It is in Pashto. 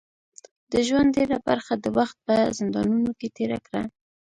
د ژوند ډیره برخه د وخت په زندانونو کې تېره کړه.